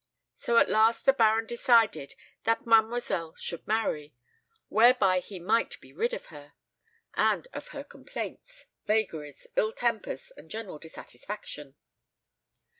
So at last the Baron decided that mademoiselle should marry, whereby he might be rid of her, and of her complaints, vagaries, ill tempers, and general dissatisfaction.